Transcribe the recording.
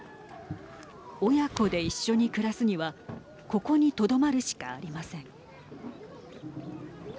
親子で一緒に暮らすにはここにとどまるしかありません。